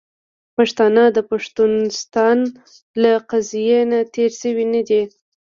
پښتانه د پښتونستان له قضیې نه تیر شوي نه دي .